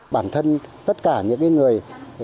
bản thân tất cả những người